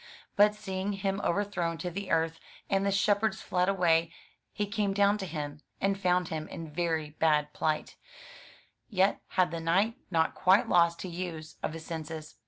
But seeing him overthrown to the earth, and the shepherds fled away, he came down to him, and found him in very bad plight, yet had the knight not quite lost the use of his senses.